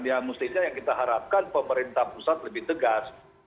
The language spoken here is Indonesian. ya mestinya yang kita harapkan pemerintah pusat lebih tegas